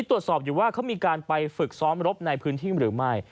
ตรวจสอบอยู่ว่าเขามีการไปฝึกซ้อมรบในพื้นที่หรือไม่